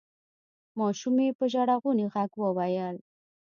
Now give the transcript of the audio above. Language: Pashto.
ماشومې په ژړغوني غږ وویل: